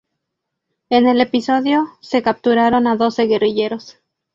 En el episodio se capturaron a doce guerrilleros.